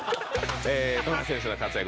富樫選手の活躍